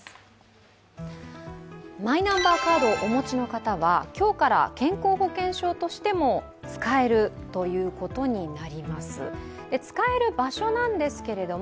マイナンバーカードをお持ちの方は今日から健康保険証としても使えるということになります。